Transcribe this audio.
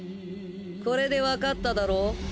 これでわかっただろう？